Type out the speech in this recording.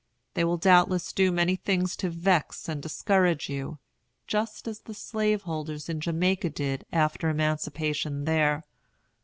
They will doubtless do many things to vex and discourage you, just as the slaveholders in Jamaica did after emancipation there.